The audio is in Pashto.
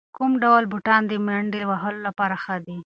کوم ډول بوټان د منډې وهلو لپاره ښه دي؟